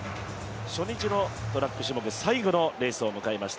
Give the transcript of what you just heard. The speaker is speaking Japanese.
初日のトラック種目、最後のレースを迎えました。